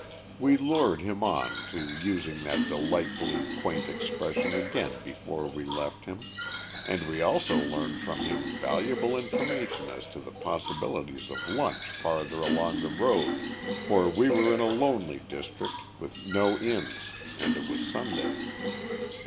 We lured him on to using that delightfully quaint expression again before we left him; and we also learned from him valuable information as to the possibilities of lunch farther along the road, for we were in a lonely district with no inns, and it was Sunday.